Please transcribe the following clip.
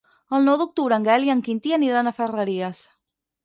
El nou d'octubre en Gaël i en Quintí aniran a Ferreries.